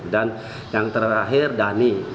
dan yang terakhir dani